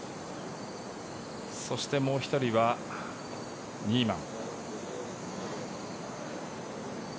そしてもう１人はニーマン。